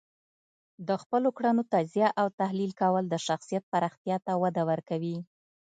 د خپلو کړنو تجزیه او تحلیل کول د شخصیت پراختیا ته وده ورکوي.